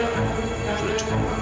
jangan lupa untuk berhenti menghukumku